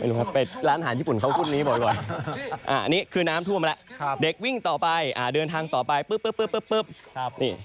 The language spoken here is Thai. ไม่รู้ครับไปร้านหาญญี่ปุ่นเขาพูดนี้บ่อยอันนี้คือน้ำทั่วมาแล้วเด็กวิ่งต่อไปเดินทางต่อไป